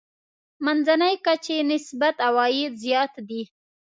منځنۍ کچې نسبت عوايد زیات دي.